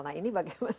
nah ini bagaimana